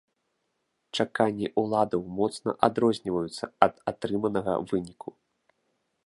Чаканні уладаў моцна адрозніваюцца ад атрыманага выніку.